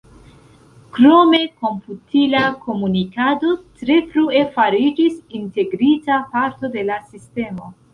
Krome komputila komunikado tre frue fariĝis integrita parto de la sistemo.